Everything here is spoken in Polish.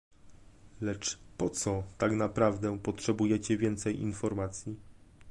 Lecz po co tak naprawdę potrzebujecie więcej informacji?